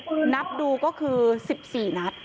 คือนับดูก็คือสิบสี่นัด